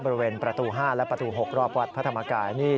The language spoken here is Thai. บริเวณประตู๕และประตู๖รอบวัดพระธรรมกายนี่